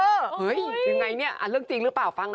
เอ่ยเป็นอย่างไรนนี้อันเรื่องจริงหรือเปล่า